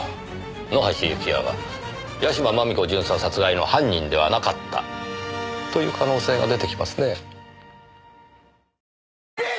野橋幸也は屋島真美子巡査殺害の犯人ではなかったという可能性が出て来ますね。